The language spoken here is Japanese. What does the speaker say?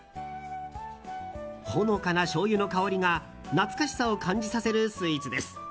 ほのかなしょうゆの香りが懐かしさを感じさせるスイーツです。